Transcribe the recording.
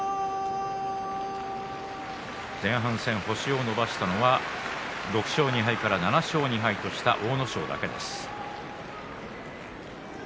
前半戦、星を伸ばしたのは６勝２敗から７勝２敗とした阿武咲だけです。